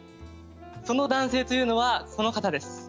その男性というのはこの方です。